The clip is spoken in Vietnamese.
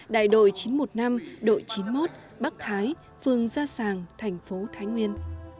đại đội chín trăm một mươi năm đội chín mươi một bắc thái phương gia sàng thành phố thái nguyên